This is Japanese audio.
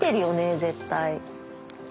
絶対。